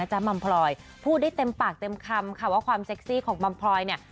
อาจารย์บำพลอยพูดได้เต็มปากเต็มคำว่าความเซ็กซี่ของบำพลอยเนี่ย